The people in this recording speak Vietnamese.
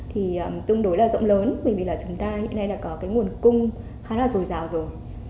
thì tương đối là rộng lớn bởi vì là chúng ta hiện nay là có cái nguồn cung khá là dồi dào rồi